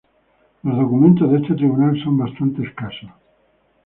Los documentos de este tribunal son bastante escasos.